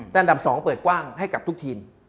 แต่อันดับ๒เปิดกว้างให้กับทุกทีม